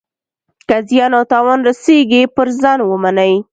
که زیان او تاوان رسیږي پر ځان ومني.